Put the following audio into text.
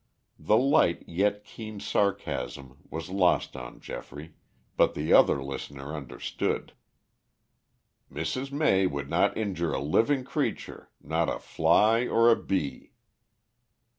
The light yet keen sarcasm was lost on Geoffrey, but the other listener understood. "Mrs. May would not injure a living creature not a fly or a bee."